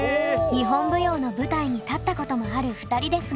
日本舞踊の舞台に立ったこともある２人ですが。